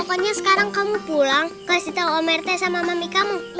pokoknya sekarang kamu pulang kasih tahu om rt sama mami kamu